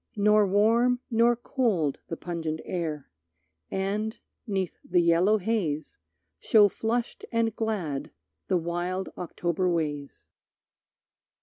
Nor warm, nor cold The pungent air, and, 'neath the yellow haze, Show flushed and glad the wild, October ways.